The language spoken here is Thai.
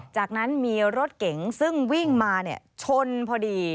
จากนั้นมีรถเก๋งซึ่งวิ่งมาชนพอดี